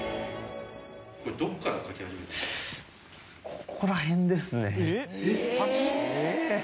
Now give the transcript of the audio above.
ここら辺ですね。